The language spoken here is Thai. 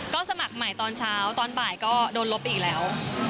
ก็สมัครใหม่ตอนเช้าตอนบ่ายก็โดนลบไปอีกแล้ว